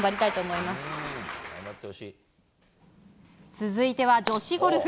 続いては女子ゴルフ。